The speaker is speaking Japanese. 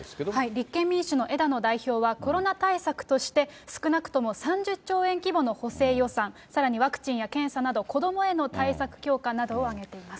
立憲民主の枝野代表は、コロナ対策として、少なくとも３０兆円規模の補正予算、さらにワクチンや検査など、子どもへの対策強化などを挙げています。